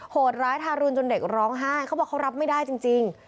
โหดร้ายทารุณจนเด็กร้องไห้เขาบอกเขารับไม่ได้จริง